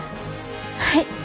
はい。